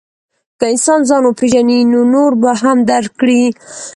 که انسان ځان وپېژني، نو نور به هم درک کړي.